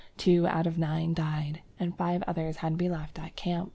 Two out of nine died, and five others had to be left at the camp."